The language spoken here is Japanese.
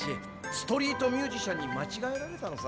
ストリートミュージシャンに間違えられたのさ。